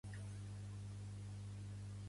Gallega amorrada al sac de gemecs.